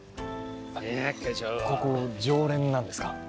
ここ常連なんですか？